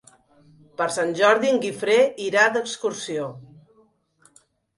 Per Sant Jordi en Guifré irà d'excursió.